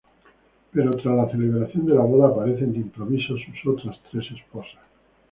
Pero tras la celebración de la boda, aparecen de improviso sus otras tres esposas.